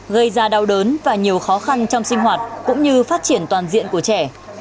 gây ra đau đớn và nhiều khó khăn trong sinh hoạt cũng như phát triển toàn diện của trẻ